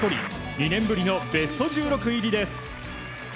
２年ぶりのベスト１６入りです。